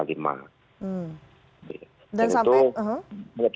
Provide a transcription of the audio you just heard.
dan saat ini